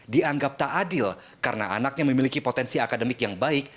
dianggap tak adil karena anaknya memiliki potensi akademik yang baik